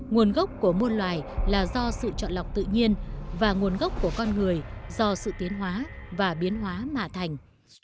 nguồn gốc của môn loài là do sự chọn lọc tự nhiên và nguồn gốc của con người do sự tiến hóa và biến hóa mà thành